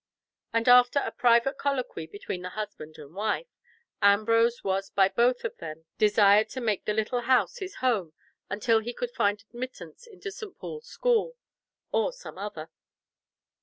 And after a private colloquy between the husband and wife, Ambrose was by both of them desired to make the little house his home until he could find admittance into St. Paul's School, or some other.